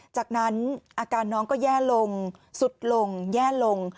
จากนั้นอาการน้องก็แย่ลงสุดลงแย่ลง